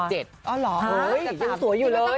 อ๋อเหรอยังสวยอยู่เลย